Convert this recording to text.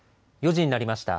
４時になりました。